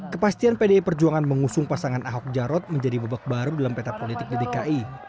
kepastian pdi perjuangan mengusung pasangan ahok jarot menjadi bebak baru dalam peta politik di dki